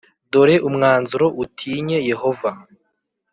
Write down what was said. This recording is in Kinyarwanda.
Dore umwanzuro utinye yehova